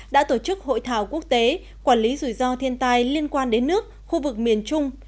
đã tổ chức hội thảo quốc tế quản lý rủi ro thiên tai liên quan đến nước khu vực miền trung